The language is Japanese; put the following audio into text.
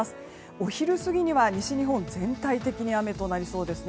お昼過ぎには西日本は全体的に雨となりそうですね。